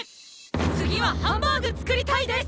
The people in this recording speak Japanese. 次はハンバーグ作りたいです！